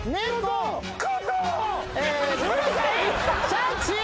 シャチ。